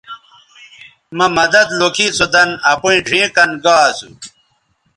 مہ مدد لوکھی سو دَن اپیئں ڙھیئں کَن گا اسو